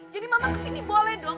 jadi mama kesini boleh dong